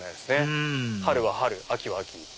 うん春は春秋は秋。